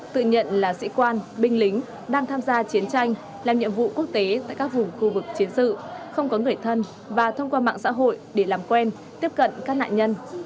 tự nhận là sĩ quan binh lính đang tham gia chiến tranh làm nhiệm vụ quốc tế tại các vùng khu vực chiến sự không có người thân và thông qua mạng xã hội để làm quen tiếp cận các nạn nhân